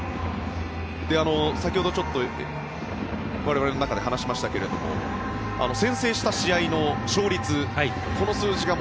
先ほどちょっと我々の中で話しましたけども先制した試合の勝率この数字が